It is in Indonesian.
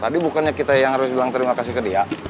tadi bukannya kita yang harus bilang terima kasih ke dia